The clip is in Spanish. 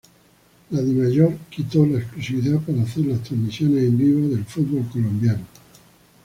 La Dimayor quitó la exclusividad para hacer las transmisiones en vivo del fútbol colombiano.